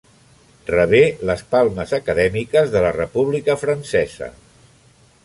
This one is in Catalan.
Rebé les Palmes acadèmiques de la República Francesa.